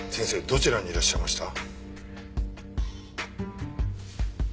どちらにいらっしゃいました？